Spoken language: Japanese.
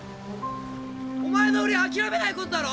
お前の売りはあきらめないことだろ？